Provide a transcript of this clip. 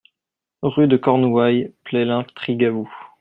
Rue de Cornouaille, Pleslin-Trigavou